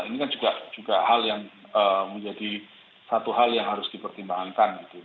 ini kan juga hal yang menjadi satu hal yang harus dipertimbangkan gitu